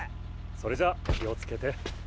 それじゃあ気をつけて。